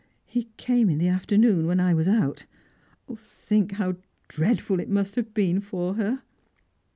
He came in the afternoon, when I was out. Think how dreadful it must have been for her!"